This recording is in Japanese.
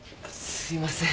すいません